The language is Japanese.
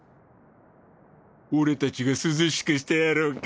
俺たちが涼しくしてやろうか？